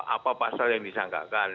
apa pasal yang disangkakan